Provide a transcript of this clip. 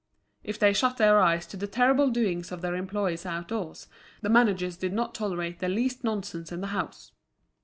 If they shut their eyes to the terrible doings of their employees outdoors, the managers did not tolerate the least nonsense in the house.